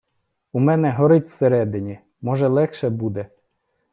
У мене горить всередині, може, легше буде?..